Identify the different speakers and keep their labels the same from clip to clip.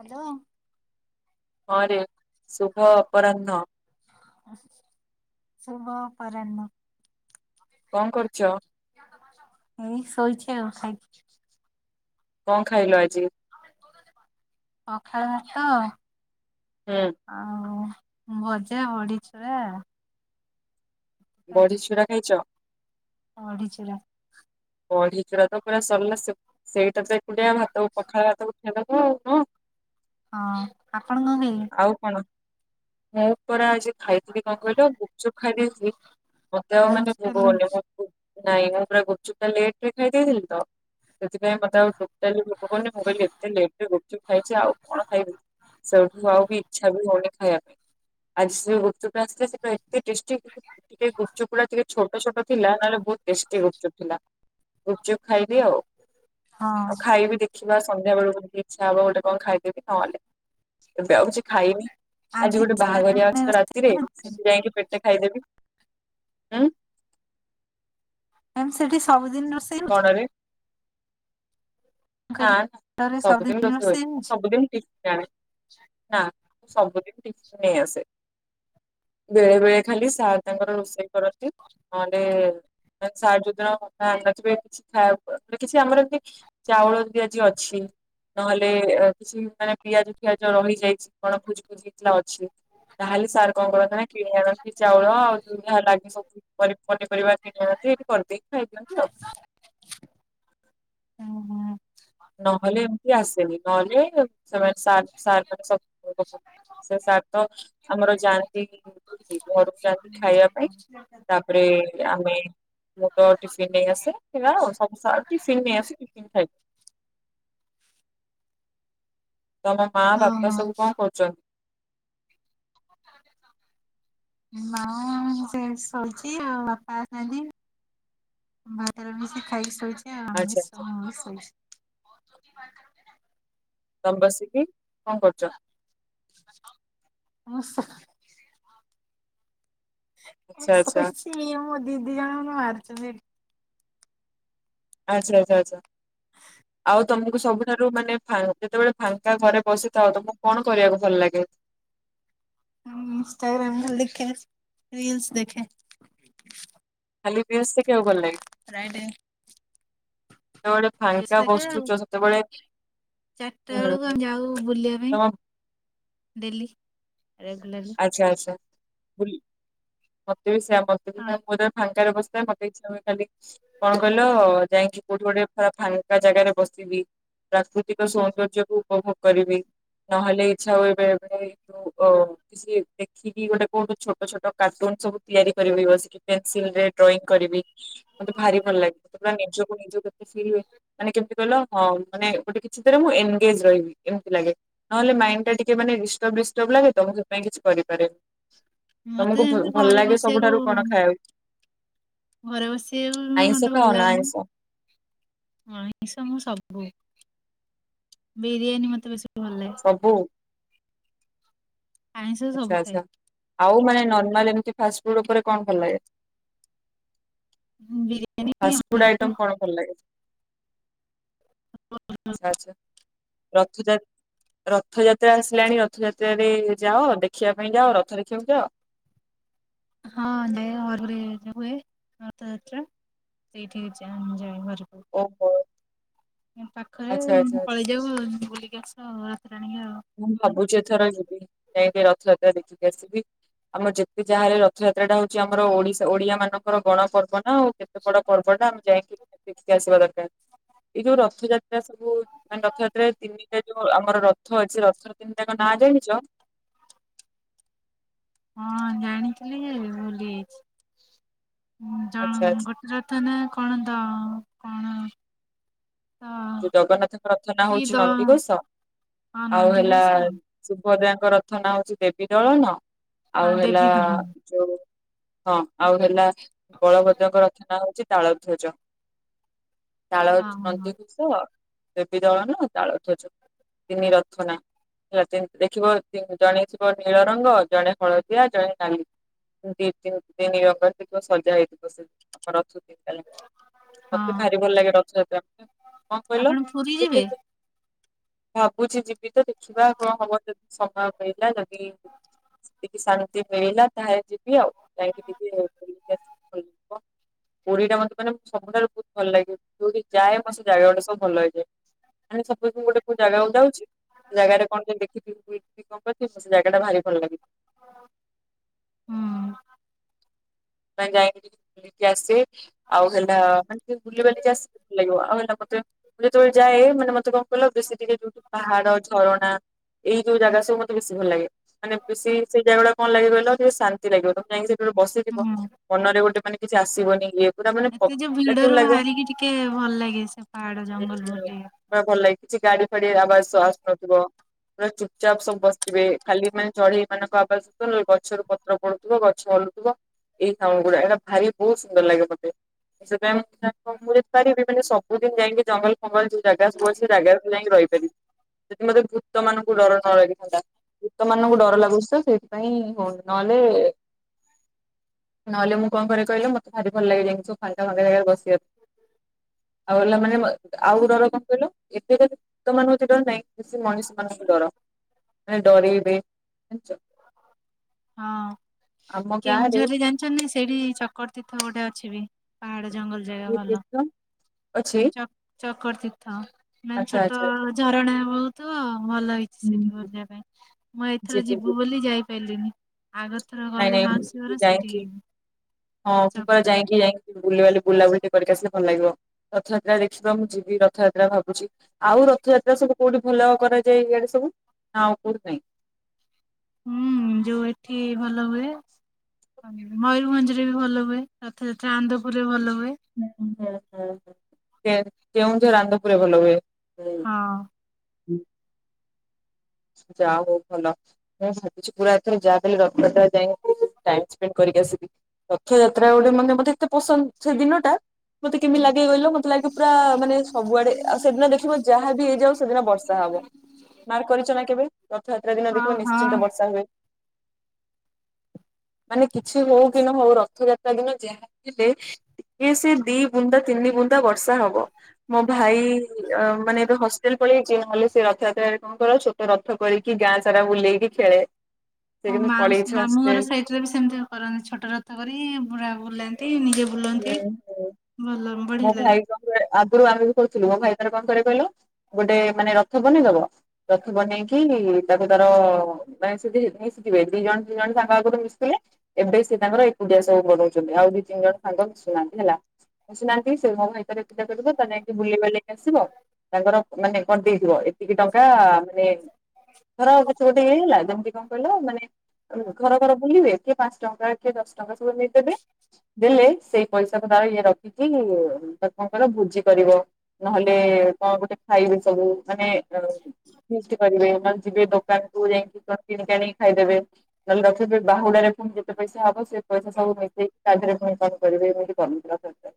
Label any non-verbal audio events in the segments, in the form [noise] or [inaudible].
Speaker 1: Hello.
Speaker 2: ହଁରେ ଶୁଭ ଅପରାହ୍ନ।
Speaker 1: ଶୁଭ ଅପରାହ୍ନ।
Speaker 2: କଣ କରୁଛ
Speaker 1: ଏଇ ଶୋଇଛି ଆଉ ଖାଇ
Speaker 2: କଣ ଖାଇଲ ଆଜି?
Speaker 1: ପଖାଳ ଭାତ
Speaker 2: ହଁ।
Speaker 1: ଆଉ ଭଜା, ବଡିଚୁରା।
Speaker 2: ବଡିଛୁଡ଼ା ଖାଇଛ?
Speaker 1: ବଡିଚୁରା।
Speaker 2: ବଢିଚୁରା ତ ପୁରା ସରିଲା ସ-ସେଇଟା ତ ଏକୁଟିଆ ଭାତ ପଖାଳ ଭାତକୁ ଉଠେଇଦବ ଆଉ ନୁହଁ?
Speaker 1: ହଁ, ଆପଣ କଣ ଖାଇଲେ?
Speaker 2: ଆଉ କଣ? ମୁଁ ପରା ଆଜି ଖାଇଥିଲି କଣ କହିଲ ଗୁପଚୁପ ଖାଇ ଦେଇଥିଲି। ମୋତେ ଆଉ ମାନେ
Speaker 1: କିଛି
Speaker 2: ଭୋକ କରୁନି।
Speaker 1: ଖାଇଲନି
Speaker 2: ମୁଁ, ମୁଁ, ନାଇଁ ମୁଁ ପୁରା ଗୁପଚୁପ ଟା ଲେଟ୍ ରେ ଖାଇଦେଇଥିଲି ତ ସେଥିପାଇଁ ମୋତେ ଆଉ ଟୋଟାଲି ଭୋକ କରୁନି। ମୁଁ କହିଲି ଏତେ ଲେଟ୍ ରେ ଗୁପଚୁପ ଖାଇଛି ଆଉ କଣ ଖାଇବି।
Speaker 1: ହଁ, ହଁ।
Speaker 2: ସେଇଠୁ ଆଉ ବି ଇଚ୍ଛା ବି ହଉନି ଖାଇବା ପାଇଁ। ଆଜି ସେ ଗୁପଚୁପ ଟୃ ଆସିଥିଲା ସେଟା ଏତେ ଟେଷ୍ଟି କିନ୍ତୁ ସେ ଗୁପଚୁପ ଗୁଡା ଟିକେ ଛୋଟ ଛୋଟ ଥିଲା ନହେଲେ ବହୁତ ଟେଷ୍ଟି ଗୁପଚୁପ ଥିଲା। ଗୁପଚୁପ ଖାଇଲି ଆଉ। ଆଉ
Speaker 1: ହଁ।
Speaker 2: ଖାଇବି ଦେଖିବା ସଧ୍ୟା ବେଳକୁ ଟିକେ ଇଚ୍ଛା ହବ ଗୋଟେ କଣ ଖାଇଦେବି। ନହଲେ ଏବେ ଆଉ କିଛି ଖାଇନି। ଆଜି ଗୋଟେ ବାହାଘରିଆ ଅଜି ତ ରାତିରେ ସେଠି ଯାଇକି ପେଟେ ଖାଇଦେବି। ଆଁ,
Speaker 1: ତୋମ ସେଠି ସବୁଦିନ ରୋଷେଇ ହଉଛି
Speaker 2: ଘରେ
Speaker 1: ମୁଁ
Speaker 2: ନା, ନା
Speaker 1: କହିଲି ରେ
Speaker 2: ସବୁଦିନ ରୋଷେଇ ହୁଏନି। ମୁଁ
Speaker 1: ହଉଛି
Speaker 2: ସବୁଦିନ ଟିସ ଏ ଆଣେ ନା ମୁଁ ସବୁ ଦିନ ଟିଫିନ୍ ନେଇ ଆସେ। ବେଳେ ବେଳେ ଖାଲି ସାର୍ ତାଙ୍କର ରୋଷେଇ କରନ୍ତି। ନହେଲେ ସାର୍ ଯୋଉଦିନ [unintelligible] ଆଣିନଥିବେ କିଛି ଖାଇବାକୁ ମାନେ କିଛି ଆମର ଏମତି ଚାଉଳ ବିି ଆଜି ଅଛି। ନହେଲେ କିଛି ମାନେ ପିଆଜ ପିଆଜ ରହିଯାଇଛି କଣ ଭୋଜି ଫୋଜି ହେଇଥିଲା ଅଛି। ତାହେଲେ ସାର୍ କଣ କରନ୍ତି ନା କିଣି ଆଣନ୍ତି ଚାଉଳ ଆଉ ଯୋଉ ଲାଗେ ସବୁ ପନିପରିବା କିଣି ଆନ୍ତି ଏଇଠି କରିଦେଇକି ଖାଇ ଦିଅନ୍ତି ଆଉ
Speaker 1: ଓ ହୋ।
Speaker 2: ନହେଲେ ଏମିତି ଆସେନି ନହେଲେ ସେମାନେ ସା ସେ ସାର୍ ତ ଆମର ଯାଆନ୍ତି ଘରକୁ ଯାଆନ୍ତି ଖାଇବା।
Speaker 1: ହ। [inaudible]
Speaker 2: ରେ ଆମେ ମୁଁ ତ ଟିଫିନ ନେଇ ଆସେ ହ ସବୁ ଟିଫିନ ନେଇ ଆସ ଟିଫ ଖାଇ ତମ ମା
Speaker 1: ଓ
Speaker 2: ବାପା
Speaker 1: ହଉ
Speaker 2: ସବୁ କଣ କରୁଛନ୍ତି।
Speaker 1: ଆ ମା ସେ ଶୋଇଛି ଆଉ ବାପା ଆସିନାହାନ୍ତି। ମା ତାର ମିିଶି ଖାଇ ଶୋଇଛ
Speaker 2: ଆଚ୍ଛା
Speaker 1: ଆମି
Speaker 2: ଆଚ୍ଛା
Speaker 1: ସମ ଶୋଇଛ। ବା [inaudible]
Speaker 2: ତମେ ବସିକି କଣ କରୁଛ।
Speaker 1: [unintelligible] ମୁ ସୋ ମୁଁ
Speaker 2: ଆଚ୍ଛା ଆଚ୍ଛା
Speaker 1: ସୋଇଚି ଇଏ ମୋ ଦିଦି ଜଣ ମାରୁଚନ୍ତି?
Speaker 2: ଆଚ୍ଛା ଆଚ୍ଛା ଆଚ୍ଛା ଆଉ ତମକୁ ସବୁଠାରୁ ମାନେ ଯେତେବେଳେ ଫାଙ୍କା ଘରେ ବସିଥାଉ ତମକୁ କଣ କରିବାକୁ ଭଲ ଲାଗେ।
Speaker 1: ଇଷ୍ଟଟାଗ୍ରାମ [unintelligible] ରିଲ୍ସ ଦେଖେ
Speaker 2: ଖାଲି ରିଲ୍ସ ଦେଖିବାକୁ ଭଲ ଲାଗେ
Speaker 1: ଫ [inaudible]
Speaker 2: ଯେତେବେଳେ
Speaker 1: ରିଲ୍ସ
Speaker 2: ଫାଙ୍କା
Speaker 1: ଦେଖେ ଆଉ।
Speaker 2: ବସୁଛ ସେତେବେଳେ
Speaker 1: ଚାରିଟା
Speaker 2: ହୁଁ
Speaker 1: ବେଳକୁ
Speaker 2: ହୁଁ
Speaker 1: ଆମେ ଯାଉ ବୁଲିବା ପାଇଁ
Speaker 2: ତମ
Speaker 1: ଡେଲି ରେଗୁଲାରଲି
Speaker 2: ଆଚ୍ଛା ଆଚ୍ଛା ବୁଲ ମତେ ବି ସେୟା ମତେ ବି
Speaker 1: ହଁ
Speaker 2: [unintelligible] ମୁଁ ଫାଙ୍କାରେ ବସିଥାଏ ମତେ ଇଛା ହୁଏ ଖାଲି କଣ କହିଲ ଯାଇକି କୋଉଠି ଗୋଟେ ପୁରା ଫାଙ୍କା ଜାଗାରେ ବସିବି ପ୍ରାକୃତିକ ସୌନ୍ଦର୍ଯ୍ୟକୁୁ ଉପଭୋଗ କରିବି ନହେଲେ ଇଚ୍ଛା ହୁଏ ବେଳେବେଳେ ଯଉ କିଛି ଦେଖିକି ଗୋଟେ କୋଉଠୁ ଛୋଟ ଛୋଟ କାର୍ଟୁନ ସବୁ ତିଆରି କରିବି ବସିକି ପେନସିଲ ରେ ଡ୍ରଇଂ କରିବି। ମତେ ଭାରି ଭଲ ଲାଗେ ଯେତେବେଳେ ନିଜକୁ ନିଜ କେତେ ଫିଲ ହୁଏ ମାନେ କେମିତି କହିଲ। ହଁ ମାନେ ଗୋଟେ କିଛି ରେ ମୁଁ ଏନଗେଜ ରହିବି ଏମିତି ଲାଗେ। ନହେଲେ ମାଇଣ୍ଡ ଟା ଟିକେ ମାନେ ଡିଷ୍ଟପ୍ ଡିଷ୍ଟପ୍ ଲାଗେ ତ ମୁଁ ସେଥିପାଇଁ କିଛି କରିପାରେନି। ତମକୁ
Speaker 1: ମତେ ଏମିତି
Speaker 2: ଭଲ
Speaker 1: ଘରେ
Speaker 2: ଲାଗେ
Speaker 1: ବସିବାକୁ
Speaker 2: ସବୁଠାରୁ କଣ ଖାଇବାକୁ?
Speaker 1: ଘରେ ବସି ବା
Speaker 2: ଆଇଁଷ
Speaker 1: ମତେ ଭଲ
Speaker 2: ଖାଅନା
Speaker 1: ଲାଗେନି।
Speaker 2: ଆଇଁଷ
Speaker 1: ମଇଁଷ ମୁଁ ସବୁ ବିରିୟାନୀ ମତେ ବେଶୀ ଭଲ ଲାଗେ
Speaker 2: [unintelligible]
Speaker 1: ଆଇଁଷ ସବୁ
Speaker 2: ଆଛା
Speaker 1: ଖାଏ।
Speaker 2: ଆଛା ଆଉ ମାନେ ନର୍ମାଲି ଏମିତି ଫାଷ୍ଟଫୁଡ ଉପରେ କଣ ଭଲ ଲାଗେ
Speaker 1: ହୁଁ ବିରିୟାନୀ ହଁ
Speaker 2: ଫାଷ୍ଟଫୁଡ ଆଇଟମ୍ କଣ ଭଲ ଲାଗେ ଆଛା ଆଛା ରଥଯାତା ରଥଯାତ୍ରା ଆସିଲାଣି ରଥଯାତ୍ରାରେ ଯାଅ। ଦେଖିବା ପାଇଁ ଯାଅ ରଥ ରଖିବାକୁ ଯାଅ?
Speaker 1: ହଁ [unintelligible] ହୁଏ ରଥଯାତ୍ରା ସେଇଠି ହେଇଚି ଆମେ ଯାଉ ଘରକୁ
Speaker 2: ଓହୋ
Speaker 1: ହଁ ପା
Speaker 2: ଆଚ୍ଛା ଆଛା
Speaker 1: ଯୋଉ ବୁଲିକି ଆସ [unintelligible] ଆଉ
Speaker 2: ମୁଁ ଭାବୁଛି ଏଥର ଯିବି ଯାଇକି ରଥଯାତ୍ରା ଦେଖିକି ଆସିବି। ଆମର ଯେତେ ଯାହାହେଲେ ରଥଯାତ୍ରାଟା ହଉଛି ଆମର ଓଡିଶା ଓଡିଆ ମାନଙ୍କର ଗଣ ପର୍ବ ନା ଆଉ କେତେ ବଡ ପର୍ବ ଟା ଆମେ ଯାଇକି ଦେଖିକି ଆସିବା ଦରକାର ଏ ଯୋଉ ରଥଯାତ ଏଟା ସବୁ ମାନେ ରଥଯାତ୍ରା ତିନିଟା ଯୋଉ ଆମର ରଥ ଅଛି ରଥର ତିନିଟାଙ୍କ ନାଁ ଜାଣିଛ
Speaker 1: ହଁ ଜାଣିଥିଲି ଯେ ଭୁଲି
Speaker 2: ଆଚ୍ଛା ଆଚ୍ଛା
Speaker 1: ଯାଇଛି ରଥ ନା କଣ ଦ କଣ ତ
Speaker 2: ଯଉ ଜଗନ୍ନାଥଙ୍କ ରଥ ନା
Speaker 1: କି
Speaker 2: ହଉଛି
Speaker 1: ଦ
Speaker 2: ନନ୍ଦିଘୋଷ
Speaker 1: ହଁ ନନ୍ଦୀ ଘୋସ
Speaker 2: ସୁୁଭଦ୍ରାଙ୍କ ରଥ ନାଁ ହଉଛି ଦେବୀ ଦଳନ ଆଉ
Speaker 1: ହଁ
Speaker 2: ହେଲା
Speaker 1: ଦେବୀ ଦହନ
Speaker 2: ଯୋଉ ହଁ ଆଉ ହେଲା ବଳଭଦ୍ରଙ୍କ ରଥନା ହଉଛି ତାଳ ଧୋଜ ତାଳ
Speaker 1: ହଁ ହଁ
Speaker 2: ସ ଦେବିଦଳନ ତାଳ ଧୋଜ ତିନି ରଥ ନା ହେଲା ଦେଖିବ ଜଣେ ଥିବ ନୀଳ ରଙ୍ଗ ଜଣେ ହଳଦିଆ ଜଣେ ନାଲି ଦିଇ ତିନ ରଙ୍ଗର ଦେଖିବ ସଜାଯାଇଥିବ ସେ ରଥକୁ ମତେ
Speaker 1: ହଁ
Speaker 2: ଭାରି ଭଲ ଲାଗେ ରଥଯାତ୍ରା କଣ
Speaker 1: ଆପଣ ପୁରୀ ଯିବେ
Speaker 2: କହିଲ ଭାବୁଛି ଯିବି ତ ଦେଖିବା କଣ ହବ ଯଦି ସମୟ ମିଳିଲା ଯଦି ଟିକେ ଶାନ୍ତି ମିଳିଲା ତାହେଲେ ଯିବି ଆଉ ଯାଇକି ଟିକେ ବୁଲିକ ଆସିବି ପୁରୀଟା ମୋତେ ମାନେ ସବୁଠାରୁ ବହୁତ ଭଲ ଲାଗେ ଯୋଉଠି ଯାଏ [unintelligible] ଭଲ ହେଇଯାଏ [unintelligible] ଗୋଟେ କଉ ଜାଗାକୁ ଯାଉଚି। ସେ ଜାଗାରେ କଣ ଦେଖିିକି କଣ କରି ସେ ଜାଗାଟା ଭାରି ଭଲ ଲାଗିଚି। [unintelligible]
Speaker 1: ହୁଁ।
Speaker 2: [unintelligible] ଯାଇକି ଟିକେ ବୁଲିକି ଆସିବି ଆଉ ହେଲା ମାନେ ଟିକେ ବୁଲିବାଲିିକି ଆସବି ଭଲ ଲାଗିବ ଆଉ ହେଲା ମତେ ମୁଁ ଯେତେବେଳେ ଯାଏ ମାନେ ମତେ କଣ କହିଲ ବେଶୀ ଟିକେ ଯୋଉଠି ପାହାଡ ଝରଣା ଏଇ ଜଉ ଜାଗା ସବୁ ମତେ ବେଶି ଭଲ ଲାଗେ। ମାନେ ବେଶୀ ସେଇ ଜାଗା ଟା କଣ ଲାଗେ କହିଲ ଶାନ୍ତି ଲାଗିବ ତମେ ଯାଇକି ସେଠି ବସିି
Speaker 1: ହୁଁ [inaudible]
Speaker 2: ମନରେ ଗୋଟେ ମାନେ କିଛି ଆସିବନି ଇଏ। ପୁରା ମାନେ ପ
Speaker 1: ଏତେ ଯୋଉ
Speaker 2: ଲାଗିବ
Speaker 1: ଭିଡରୁୁ
Speaker 2: ଲାଗିବ
Speaker 1: ବାହାରିକି ଟିକେ ଭଲ ଲାଗେ ସେ ପାହାଡ ଜଙ୍ଗଲ ବୁଲି
Speaker 2: [unintelligible] ଭଲ ଲାଗେ କିଛି ଗାଡି ଫାଡି ଆବାଜ୍ ଆସୁନଥିବ ପୁରା ଚୁପ୍। ଚପ୍ ସବୁ ବସିଥିବେ ଖାଲି ମାନେ ଚଢେଇ ମାନଙ୍କ ଆବାଜ୍ ଶୁବୁଥିବ ଗଛରୁ ପତ୍ର ପଡୁଥିବ ଗଛ ହଲୁଥିବ ଏଇ ସାାଉଣ୍ଡ ଗୁଡା ଏଟା ଭାରି ବହୁତ ସୁନ୍ଦର ଲାଗେ ମତେ। ସେଥିପାଇଁ ପାରିବିାନେ [unintelligible] ସବୁଦିନ ଯାଇକି ଜଙ୍ଗଲ ଫଙ୍ଗଲ ଯୋଉ ଜାଗା ସବୁ ସେ ଜାଗାକୁ ଯାଇକି ରହିବି। ସେଦିନ ଯଉ ଭୂତ ମାନଙ୍କୁ ଡର ନ ଲାଗିଥାନ୍ତା ଭୂତ ମାନଙ୍କୁ ଡର ଲାଗୁଛି ତ ସେଇଥିପାଇଁ ନହେଲେ ନହେଲେ ମୁ କଣ କରେ କହିଲ ମତେ ଭାରି ଭଲ ଲାଗେ ଯଉ ଫାଙ୍କାଫାଙ୍କା ଜାଗାରେ ବସିବାକୁ ଆଉ ହେଲା ମାନେ ଆଉ ଗୋଡର କଣ କହିଲ ଏତେ [unintelligible] ତ ମାନଙ୍କ ଡର ନାହିଁ କିଛି ମଣିଷ ମାନଙ୍କୁ ଡର ମାନେ ଡରଇବେ ଜାଣିଚ।
Speaker 1: ହଁ
Speaker 2: ଆମ ଗାଁ ରେ
Speaker 1: କେଉଁଝରରେ ଜାଣି ସେଠି ଚକର୍ ତୀର୍ଥ ଗୋଟେ ଅଛି ବି ପାହାଡ ଜଙ୍ଗଲ ଜାଗା
Speaker 2: ଏ
Speaker 1: ଭଲ
Speaker 2: ତୀର୍ଥ ଅଛି
Speaker 1: ଚକର୍ ତୀର୍ଥ ମାନେ
Speaker 2: ଆଚ୍ଛା
Speaker 1: ଛୋଟ
Speaker 2: ଆଚ୍ଛା ଆଚ୍ଛା
Speaker 1: ଝରଣା ବହୁ ଥିବ ଭଲ ହେଇ ସେଠି ବୁଲିବା ପାଇଁ ମୁଁ ଏଇଥର
Speaker 2: ଯିବି
Speaker 1: ଯିବୁ
Speaker 2: ଯିବି
Speaker 1: ବୋଲି ଯାଇପାରିଲିନି ଆଗଥର
Speaker 2: ନାଇଁ
Speaker 1: ଗଲେ
Speaker 2: ନାଇଁ
Speaker 1: ମାଉସୀ ଘର
Speaker 2: ମୁଁ
Speaker 1: ସେଇଠିକି
Speaker 2: ଯାଇଁକି
Speaker 1: ଯିବି।
Speaker 2: ହଁ ପା
Speaker 1: ଚପରତ
Speaker 2: ଯାଇଁକି ଯାଇ ବୁଲିବାଲି ବୁଲାବୁଲି କରିକି ଆସିଲେ ଭଲ ଲାଗିବ ରଥଯାତ୍ରା ଦେଖିବା ମୁଁ ଯିବି ରଥଯାତ୍ରା ଭାବୁଚି। ଆଉ ରଥଯାତ୍ରା ସବୁ କୋଉଠି ଭଲ କରାଯାଏ ଇଆଡେ ସବୁ ଆଉ କୋଉଠି କାଇଁ।
Speaker 1: ହୁଁ ଯୋଉ ଏଠି ଭଲ ହୁଏ ମୟୂରଭଞ୍ଜ ରେ ବି ଭଲ ହୁଏ ରଥଯାତ୍ରା ଆନ୍ଦପୁରରେ ଭଲ ହୁଏ।
Speaker 2: କେଉଁଝର, ଆନ୍ଦପୁରରେ ଭଲ ହୁଏ।
Speaker 1: ହଁ।
Speaker 2: ହୁଁ। ଯା ହଉ ଭଲ। ହଁ ଭାବୁଚି ପୁରା ଏଥର ଯାହାଲେ ରଥଯାତ୍ରା ଯାଇକି ଟାଇମ୍ ସ୍ପେଣ୍ଡ୍ କରିକି ଆସିବି। ରଥଯାତ୍ରା ଗୋଟେ ମାନେ ମତେ ଏତେ ପସନ୍ଦ ସେ ଦିନ ଟା ମତେ କେମିତି ଲାଗେ କହିଲ ମ ତେଲାଗେ ପୁରା ମାନେ ସବୁଆଡେ ଆଉ ସେଦିନ ଦେଖିବ ଯାହା ବି ହେଇଯାଉ ସେଦିନ ବର୍ଷା ହବ। ମାର୍କ କରିଚ ନା କେବେ ରଥଯାତ୍ରା ଦିନ
Speaker 1: ହଁ
Speaker 2: ଦେଖିବ
Speaker 1: ହଁ।
Speaker 2: ନିଶ୍ଚିନ୍ତ ବର୍ଷା ହୁଏ। ମାନେ କିଛି ହଉ କି ନ ହଉ ରଥଯାତ୍ରା ଦିନ ଯାହା ହେଲେ ଟିକେ ସେ ଦି ବୁନ୍ଦା ତିନି ବୁନ୍ଦା ବର୍ଷା ହବ। ମୋ ଭାଇ ଆ-ମାନେ ଏବେ ହଷ୍ଟେଲ ପଳେଇ ଯାଇଚି ନହଲେ ସେ ରଥଯାତ୍ରରେ କଣ କରୁଛୁ ରଥ କରିକି ଗାଁ ସାରା ବୁଲେଇକି ଖେଳେ। ସେ
Speaker 1: ଓ
Speaker 2: କେମିତି
Speaker 1: ମାସ୍
Speaker 2: ପଳେଇଛି
Speaker 1: ମାମୁଁ ଘର
Speaker 2: ହଷ୍ଟେଲ।
Speaker 1: ସହିତ। ବି ସେମିତି କରନ୍ତି ଛୋଟ ରଥ କରି ପୁରା ବୁଲାନ୍ତି ନିଜେ
Speaker 2: ହୁଁ
Speaker 1: ବୁଲନ୍ତି।
Speaker 2: ହୁଁ।
Speaker 1: ଭଲ।
Speaker 2: ମୋ
Speaker 1: ବଢିଆ ଲାଗେ
Speaker 2: ଭାଇ କଣ ଆଗରୁ ଆମେ ବି କରୁଥିଲୁ ମୋ ଭାଇଙ୍କର କଣ କରେ କହିଲ ଗୋଟେ ମାନେ ରଥ ବନେଇଦବ ରଥ ବନେଇକି ତାପରେ ତାର ନାଇଁ ସେଠି ମିଶିଯିବେ ଦି ଜଣ ତିନି ଜଣ ସାଙ୍ଗ ଆଗରୁ ମିଶିଥିଲେ ଏବେ ସେ ତାଙ୍କର ଏକୁଟିଆ ସବୁ ପଢଉଚନ୍ତି ଆଉ ଦି ତିନି ଜଣ ସାଙ୍ଗ ମିଶୁନାହାନ୍ତି ହେଲା ବୁନାହାନ୍ତି [unintelligible] ସେ ହଉ ଭିତରେ ପୂଜା କରିବ ତାକୁ ନେଇକି ବୁଲେଇ ବାଲି କି ଆସିବ ତାଙ୍କର ମାନେ କଣ ଦେଇଥିବ ଏତିକି ଟଙ୍କା ମାନେ ଧର ଆଉ କିଛି ଗୋଟେ ହେଇଲା ଯେମିତି କଣ କହିଲା ମାନେ ଘର ଘର ବୁଲିବେ କିଏ ପାଞ୍ଚ ଟଙ୍କା କିଏ ଦଶ ଟଙ୍କା ସବୁ ଦେଇଦେବେ। ଦେଲେ ସେଇ ପଇସାକୁ ତାର ଇଏ ରଖିକି ଠାକୁରଙ୍କର ଭୋଜି କରିବ। ନହେଲେ କଣ ଗୋଟେ ଖାଇବେ ସବୁ ମାନେ କରିବେ ଆ ଯିବେ ଦୋକାନକୁୁ ଯାଇକିଟିଣିକି ଆଣିକି ଖାଇଦେବେ। ନହେଲେ ରଖିବେ ବାହୁଡାରେ ପୁଣି ଯେତେ ପଇସା ହବ ସେ ପଇସା ସବୁ ମିଶେଇ ତା ଦେହରେ ପୁଣି କଣ କରିବେ ଏମିତି [unintelligible]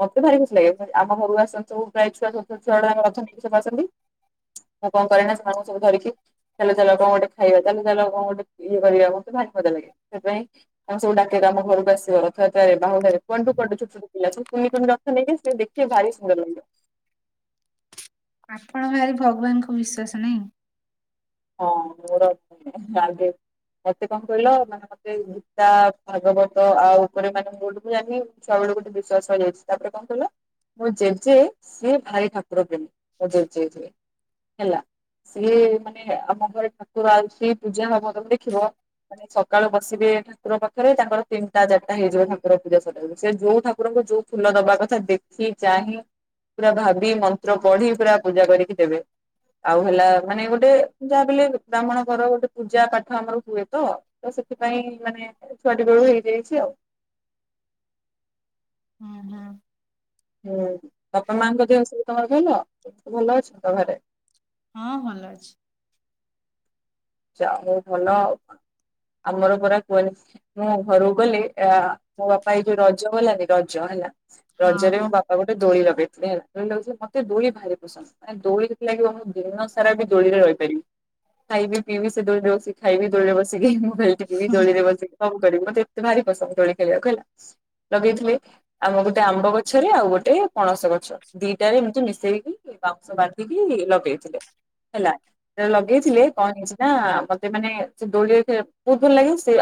Speaker 2: ମତେ ଭାରି ଖସି ଲାଗେ ଆମ ଘରୁକୁ ଆସନ୍ତି ଛୁଆଛନ୍ତି ଛୁଆା ଅଛନ୍ତି ସବୁ ଆସନ୍ତି। ମୁଁ କଣ କରେ ନା ସେମାନଙ୍କୁ ସବୁ ଧରିକି ଚାଲ ଚାଲ କଣ ଗୋଟେ ଖାଇବା ଚାଲ ଚାଲ କଣ ଗୋଟେ ଇଏ କରିବା ମୋତେ ଭି ମଜା ଲାଗେ ସେଥିପାଇଁ କମ ସବୁ ଡାକିକି ଆ ଘରକୁ ଆସ ରଥରେ ବାହୁାରେ କୁଆଡୁ କୁଆଡୁ ସବୁ ପିଲା ସବୁ ରଥ ନେଇକି ଦେଖି ଭାରି ସୁନ୍ଦର ଲାଗିବ।
Speaker 1: ଆପଣ ଭାରି ଭଗବାନଙ୍କୁ ବିଶ୍ଵାସ ନାହିଁ।
Speaker 2: ହଁ ମୋର ଆଗ ମତେ କଣ କହିଲ ମାନେ ମତେ ଗୀତା ଭାଗବତ ଆଉ ଉପରେ ମାନେ ମୁଁ ଗୋଟେ ଆଜି ଛୁଆବେଳେ ଗୋଟେ ବିଶ୍ଵାସ ରହିଯାଇଚି ତାପରେ କଣ କହିଲ ମଁ ଜେଜେ ସିଏ ଭାରି ଠାକୁର ପ୍ରଣୀ ମୋ ଜେଜେ ଯଏ। ହେଲା ସିଏ ମାନେ ଆମ ଘରେ ଠାକୁର ଆଉଛି ପୂଜା ହବ ତମେ ଦେଖିବ ମାନେ ସକାଳୁ ବସିବେ ଠାକୁର ପାଖରେ ତାଙ୍କର ତିନିଟା ଚାରିଟା ହେଇଯିବ ଠାକୁର ପୂଜା ସ ସେ ଯୋଉ ଠାକୁରଙ୍କୁ ଯୋଉ ଫୁଲ ଦବା କଥା ଦେଖି ଚାହିଁ ପୁରା ଭାବି ମନ୍ତ୍ର ପଢି ପୁରା ପୂଜା କରିକି ଦେବେ ଆଉ ହେଲା ମାନେ ଗୋଟେ ଯାହା ବି ହେଲେ ବ୍ରାହ୍ମଣ ଘର ଗୋଟେ ପୂଜା ପାଠ ଆମର ହୁଏ ତ ତ ସେଥିପାଇଁ ମାନେ ଛୁଆଟି ବେଳୁ ହେଇଯାଇଛି ଆଉ।
Speaker 1: ହଁ ହଁ।
Speaker 2: ହୁଁ ବାପା ମାଙ୍କ ଦି ଅସବ ତମର ଭଲ ତ ଭଲ ଅଛ ତ ଘରେ।
Speaker 1: ହଁ ଭଲ ଅଛି।
Speaker 2: ଭଲ ଆମର ପରା କୁହନି। ମୁଁ ଘରକୁ ଗଲି ମୋ ବାପା ଏ ଯୋଉ ରଜ ଗଲାନି ରଜ ହେଲା
Speaker 1: ହଁ
Speaker 2: ରଜରେ ମୋ ବାପା ଆଉ ଗୋଟେ ଲଗେଇଥିଲେ ହେଲା ଦୋଳି ଲଗେଇଥିଲେ ମତେ ଦୋଳି ଭାରି ପସନ୍ଦ। ମ ଦୋଳି ଯେ ଲାଗିବ ମୁଁ ଦିନ ସାରା ବି ଦୋଳିରେ ରହିପାରିବି ଖାଇବି ପି ବି ସେ ଦୌଳିରେ ବସି ଖାଇବି ଦୌଳିରେ ବସିକି ମୋବାଇଲ ଟି ବି ଦୌଳିରେ ବସିକି ସବୁ କରିବି ମତେ ଏତେ ଭାରି ପସନ୍ଦ ଦୋଳି ଖେଳିବାକୁ ହେଲା ଲଗେଇଥିଲେ।। ଆଉ ଗୋଟେ ଆମ୍ବ ଗଛରେ ଆଉ ଗୋଟେ ପଣସ ଗଛ ଦିଟାରେ ଏମତି ମିଶେଇକି ବାଉଁଶ ବାନ୍ଧିକି ଲଗେଇଥିଲେ ହେଲା ଲଗେଇଥିଲେ କଣ ହେଇଛି ନା ମତେ ମାନେ ସେ ଦୋଳି ବହୁତ ଭଲ ଲାଗେ ସେ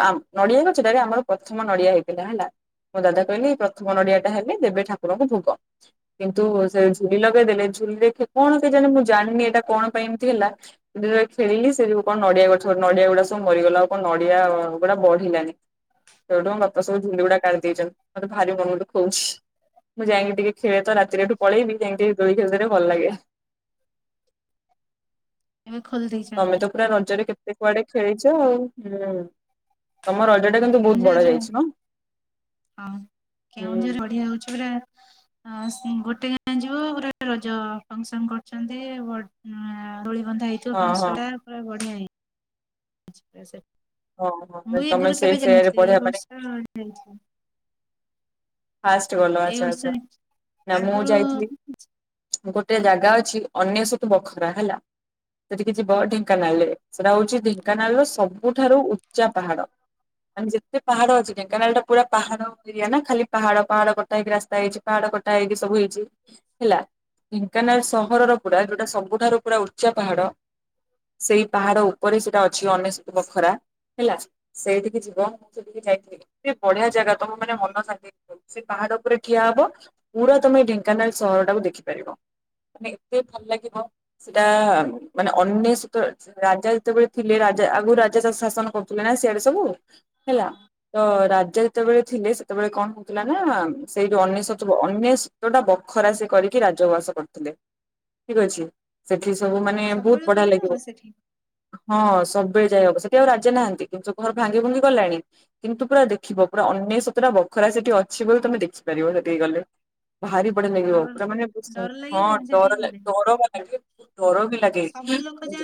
Speaker 2: ନଡିଆ ସେଟାରେ ଆମର ପ୍ରଥମ ନଡିଆ ହେଇଥିଲା ହେଲା ମୋ ଦାଦା କହିଲି ପ୍ରଥମ ନଡିଆ ଟା ହେଲେ ଦେବେ ଠାକୁରଙ୍କୁ ଭୋଗ। କିନ୍ତୁ ସେ ଝୁଲି ଲଗେଇଦେଲେ ଝୁଲିରେ କଣ କେ ଜାଣେ ମୁଁ ଜାଣିନି ଏଇଟା କଣ ପାଇଁ ଏମିତି ହେ ଯେ ତବେଳେ ଖେଳିଲେ ସେ କଣ ନଡିଆ ଗଛ ନଡିଆ ଗୁଡା ସବୁ ମରିଗଲା ଆଉ କଣ ନଡିଆ ଗୁଡା ବଢିଲାନି ସେଠୁ ତ ଝୁଲି ଗୁଡା ସବୁ କାଢ଼ି ଦେଇଛନ୍ତି ମତେ ଭାରି ମନ ଦୁଃଖ ହଉଛି। ମୁଁ ଯାଇକି ଟିକେ ଖେଳେ ତ ରାତିରେଏଠୁ ପଳେବି ଯାଇକି ଟିକେ ଦୋଳି ଖେଳିଦେଲେ ଭଲ ଲାଗେବ।
Speaker 1: ଏବେ ଖୋଲି ଦେଇେଇଛ?
Speaker 2: ତମେ ତ ପୁରା ରଜରରେ କେତେ କୁଆଡେ ଖେଳିଚ ଆଉ ହୁଁ ତମ ଟା କିନ୍ତୁ ବହୁତ
Speaker 1: କେଉଁଝର
Speaker 2: ବଡ
Speaker 1: ଜାଆ
Speaker 2: ଯାଇଛି ମ।
Speaker 1: ହଁ
Speaker 2: ହୁଁ
Speaker 1: କେଉଁଝର କେଉଁଝର ବଢିଆ ହଉଛି ପରା। ହସ ଗୋଟେ ଗାଁରେ ଯୋଉ ଗୋଟା ରଜ ଫଙ୍କସନ କରୁଛନ୍ତି ବଟ ଦୋଳି ବନ୍ଧା ହେଇ
Speaker 2: ହଁ ହଁ
Speaker 1: ପାଞ୍ଚାସଟା ପୁରା ବଢିନେଇ। ଆଛା ସେଠ
Speaker 2: ହଁ ହଁ
Speaker 1: ମୁଁ ଏ
Speaker 2: ତମେ
Speaker 1: ଆଗରୁ
Speaker 2: ସେ
Speaker 1: କେବେ
Speaker 2: ସେୟାରେ
Speaker 1: ଯାନଥିଲି ଏଇ
Speaker 2: ପଢିବା ମାନେ
Speaker 1: ବର୍ଷଟା ଯାଇଛି।
Speaker 2: ଫାଷ୍ଟ ଗଲ
Speaker 1: ଏଇ
Speaker 2: ଆଚ୍ଛା ଆଚ୍ଛା
Speaker 1: ବର୍ଷ
Speaker 2: ନା ମୁଁ
Speaker 1: ଆଗରୁ
Speaker 2: ଯାଇଥିଲି- ଗୋଟେ ଜାଗା ଅଛି ଅନେସ୍ୱତ ବଖରା ହେଲା। ସେଠିକି ଯିବ ଢେଙ୍କାନାଳରେ ସେଟା ହଉଛି ଢେଙ୍କାନାଳ ର ସବୁଠାରୁ ଉଚ୍ଚା ପାହାଡ। ମାନେ ଯେତେ ପାହାଡ ଅଛି ଢେଙ୍କାନାଳ ଟା ପୁରା ପାହାଡ ଏରିଆ ନା ଖାଲି ପାହାଡ଼ ପାହାଡ କଟା ହେଇକି ରାସ୍ତା ହେଇଛି ପାହାଡ କଟା ହେଇକି ସବୁ ହେଇଛି। ହେଲା ଢେଙ୍କାନାଳ ସହରର ପୁରା ଯୋଉଟା ସବୁଠାରୁ ପୁରା ଉଚ୍ଚା ପାହାଡ। ସେଇ ପାହାଡ ଉପରେ ସେଇଟା ଅଛି ଅନେସ୍ୱତ ବଖରା ହେଲା। ସେଇଠିକି ଯିବ ମୁଁ ସେଠିକି ଯାଇଥିଲି ବଢିଆ ଜାଗା ତମ ମାନେ ମନ ଶାନ୍ତି ସେ ପାହାଡ ଉପରେ ଠିଆ ହବ ପୁରା ତମେ ଢେଙ୍କାନାଳ ସହରଟାକୁ ଦେଖିପାରିବ। ମାନେ ଏତେ ଭଲ ଲାଗିବ ସେଟା ମାନେ ଅନେସ୍ୱତ ରାଜା ଯେତେବେଳେ ଥିଲେ ରାଜା ଆଗରୁ ରାଜାତାକୁ ଶାସନ କରୁଥିଲେ ନା ସିଆଡେ ସବୁ। ହେଲା
Speaker 1: ହଁ
Speaker 2: ତ ରାଜା ଯେତେବେଳେ ଥିଲେ ସେତେବେଳେ କଣ ଥିଲା ନା ସେଇ ଯୋଉ ଅନେସ୍ୱ ଅନେସ୍ୱତ ଟା ବଖରା ସେ କରିକି ରାଜଉଆସ କରିଥିଲେ। ଠିକ ଅଛି ସେଠି ସବୁ ମାନେ
Speaker 1: ସବୁବେଳେ
Speaker 2: ବହୁତ ବଢିଆ
Speaker 1: ବୁଲି ହବ
Speaker 2: ଲାଗିବ।
Speaker 1: ସେଠି
Speaker 2: ହଁ ସବୁବେଳେ ଯାଇ ହବ ସେଠି ଆଉ ରାଜା ନାହାନ୍ତି କିନ୍ତୁ ସବୁ ଘର ଭାଙ୍ଗି ଭୁଙ୍ଗି ଗଲାଣି। କିନ୍ତୁ ପୁରା ଦେଖିବ ପୁରା ଅନେସ୍ୱତଟା ବଖରା ସେଠି ଅଛି। ଅଛି ବୋଲି ତମେ ଦେଖିପାରିବ ସେଠିକି ଗଲେ ଭାରି ବଡି ଆଲାଗିବ
Speaker 1: ଡର
Speaker 2: ପୁରା ମାନେ
Speaker 1: ଡର
Speaker 2: ହଁ
Speaker 1: ଲାଗିବନି
Speaker 2: ଡ
Speaker 1: ସେଠିକି ଗଲେ
Speaker 2: ଡର ବା ଲାଗିବ ଡର ବି ଲାଗେ।
Speaker 1: ସବୁ ଲୋକ ଯା